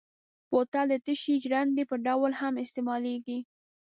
بوتل د تشې ژرندې په ډول هم استعمالېږي.